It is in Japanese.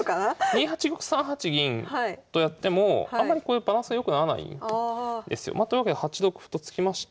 ２八玉３八銀とやってもあんまりバランスは良くならないんですよ。というわけで８六歩と突きまして。